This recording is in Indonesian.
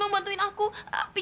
cuma masalah kecil